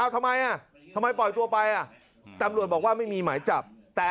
ทำไมทำไมปล่อยตัวไปตำรวจบอกว่าไม่มีหมายจับ